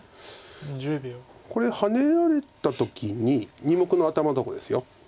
これハネられた時に２目の頭のとこです。